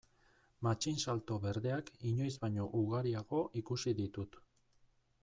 Matxinsalto berdeak inoiz baino ugariago ikusi ditut.